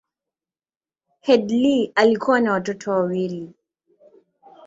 Headlee alikuwa na watoto wawili.